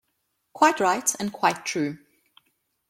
Quite right, and quite true.